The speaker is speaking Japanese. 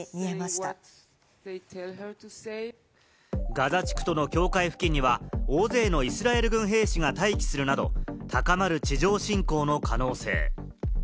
ガザ地区との境界付近には大勢のイスラエル軍兵士が待機するなど、高まる地上侵攻の可能性。